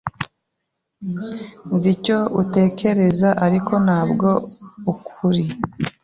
Nzi icyo utekereza, ariko ntabwo arukuri.